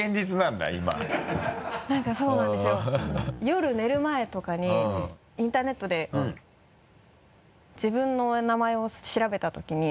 夜寝る前とかにインターネットで自分の名前を調べた時に。